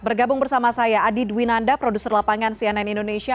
bergabung bersama saya adi dwinanda produser lapangan cnn indonesia